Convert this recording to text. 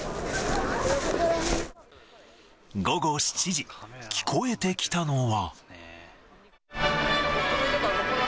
午後７時、聞こえてきたのは。